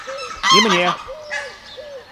И мне!